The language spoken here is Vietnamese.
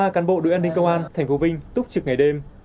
một mươi ba cán bộ đội an ninh công an thành phố vinh túc trực ngày đêm